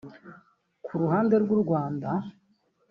ku ruhande rw’u Rwanda